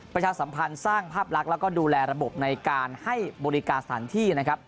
ประชาสัมพันธ์สร้างภาพลักษณ์แล้วก็ดูแลระบบในการให้บริการสถานที่นะครับ